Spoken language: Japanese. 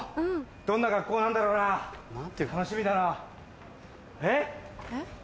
どんな学校なんだろうな楽しみだえっ？